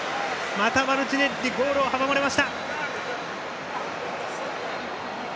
またマルチネッリゴールを阻まれました。